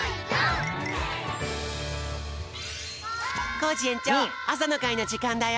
コージえんちょうあさのかいのじかんだよ！